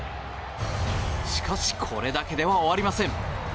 しかし、これだけでは終わりません。